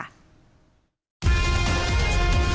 ๙๔แช่งและรถ